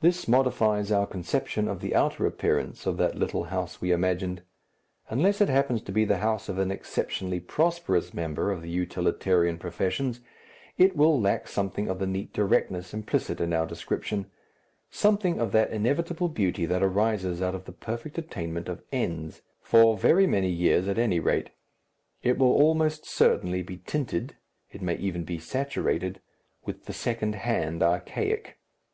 This modifies our conception of the outer appearance of that little house we imagined. Unless it happens to be the house of an exceptionally prosperous member of the utilitarian professions, it will lack something of the neat directness implicit in our description, something of that inevitable beauty that arises out of the perfect attainment of ends for very many years, at any rate. It will almost certainly be tinted, it may even be saturated, with the secondhand archaic.